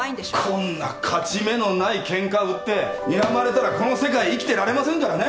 こんな勝ち目のないケンカ売ってにらまれたらこの世界生きてられませんからね。